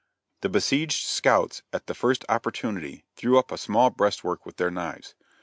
The besieged scouts at the first opportunity threw up a small breastwork with their knives.